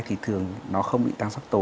thì thường nó không bị tăng sắc tố